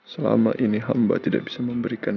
selama ini hamba tidak bisa memberikan